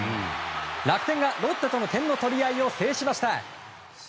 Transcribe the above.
楽天がロッテとの点の取り合いを制しました。